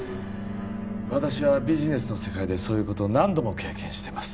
私はビジネスの世界でそういうことを何度も経験してます